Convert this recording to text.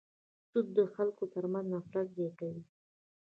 سود د خلکو تر منځ نفرت زیاتوي.